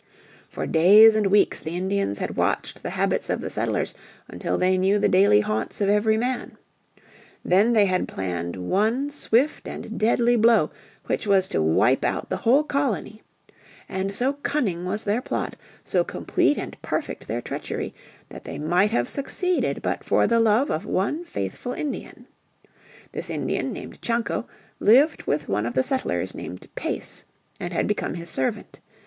For days and weeks the Indians had watched the habits of the settlers until they knew the daily haunts of every man. Then they had planned one swift and deadly blow which was to wipe out the whole colony. And so cunning was their plot, so complete and perfect their treachery, that they might have succeeded but for the love of one faithful Indian. This Indian, named Chanco, lived with one of the settlers named Pace, and had become his servant.